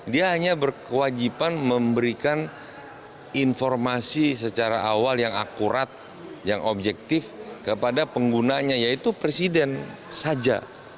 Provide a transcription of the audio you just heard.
dia hanya berkewajiban memberikan informasi secara awal yang akurat yang objektif kepada penggunanya yaitu presiden saja